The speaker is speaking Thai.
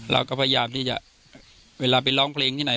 เราก็พยายามที่จะเวลาไปร้องเพลงที่ไหน